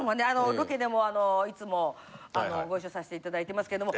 ロケでもいつもご一緒させて頂いてますけども。